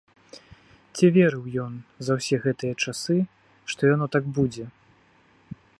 Ці верыў ён за ўсе гэтыя часы, што яно так будзе?